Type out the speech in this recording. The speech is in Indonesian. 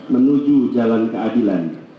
menuju jalan keadilan